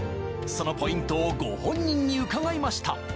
そのポイントをご本人に伺いました